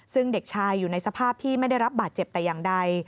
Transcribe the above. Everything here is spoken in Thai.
ซึ่งเด็กชายอยู่ในสภาพที่ไม่ได้รับบาดเจ็บแต่อย่างใด